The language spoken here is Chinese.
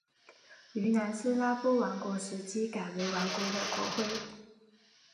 于南斯拉夫王国时期改用王国的国徽。